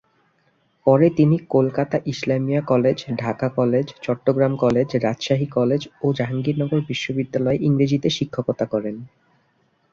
পরে তিনি Kolkata Islamia college, Dhaka college, Chittagong college, Rajshahi college ও জাহাঙ্গীরনগর বিশ্ববিদ্যালয়ে ইংরেজিতে শিক্ষকতা করেন।